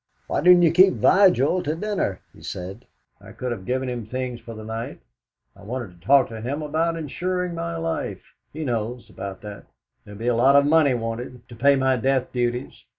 "Why didn't you keep Vigil to dinner?" he said. "I could have given him things for the night. I wanted to talk to him about insuring my life; he knows, about that. There'll be a lot of money wanted, to pay my death duties.